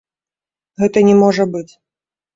Гэта не можа быць.